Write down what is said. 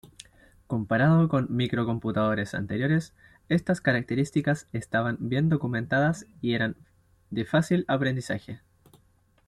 Comparado con microcomputadores anteriores, estas características estaban bien documentadas y eran de fácil aprendizaje.